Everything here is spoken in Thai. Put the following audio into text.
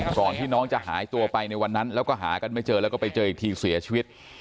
ก่อนที่น้องจะหายตัวไปในวันนั้นแล้วก็หากันไม่เจอแล้วก็ไปเจออีกทีเสียชีวิต